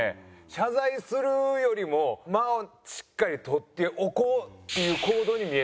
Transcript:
謝罪するよりも間をしっかり取っておこうっていう行動に見えて。